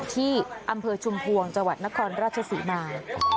ที่อำเภอชุมพวงจังหวัดนครราชศรีมา